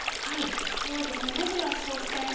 はいそうですねまずは初戦